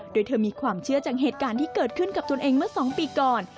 โดยเธอมีความเชื่อจังเหตุการณ์ที่เกิดขึ้นกับตนเองเมื่อ๒ปีก่อน